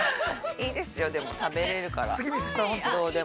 ◆いいですよ、でも食べれるから、どうでも。